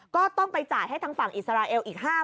ก็ต้องไปจ่ายให้ทางฝั่งอิสราเอลอีก๕๐๐